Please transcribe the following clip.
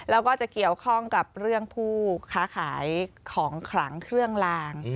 แล้วก็จะเกี่ยวข้องกับเรื่องผู้ค้าขายของขลังเครื่องลาง